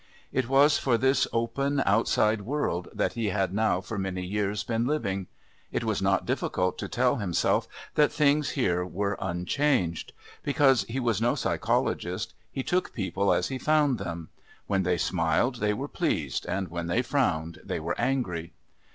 It was for this open, outside world that he had now for many years been living; it was not difficult to tell himself that things here were unchanged. Because he was no psychologist, he took people as he found them; when they smiled they were pleased and when they frowned they were angry.